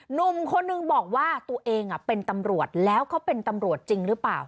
หนุ่มคนนึงบอกว่าตัวเองเป็นตำรวจแล้วเขาเป็นตำรวจจริงหรือเปล่า